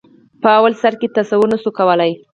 په لومړي سر کې تصور نه شو کولای.